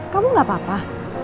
kamu gak apa apa